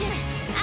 あ！！